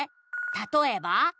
「たとえば？」